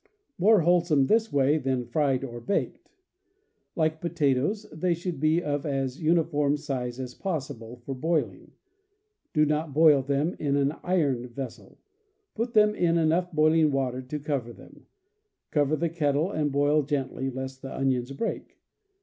— More wholesome this way than fried or baked. Like potatoes, they should be of as uniform size as possible, for boiling. Do not boil them in an iron vessel. Put them in enough boiling salted water to cover them. Cover the kettle and boil gently, lest the onions break.